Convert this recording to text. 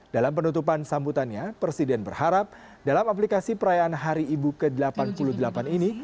dalam penutupan sambutannya presiden berharap dalam aplikasi perayaan hari ibu ke delapan puluh delapan ini